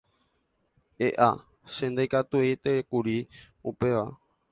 E'a, che ndaikuaaietékuri upéva.